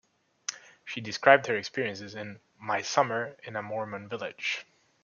She described her experiences in "My Summer in a Mormon Village".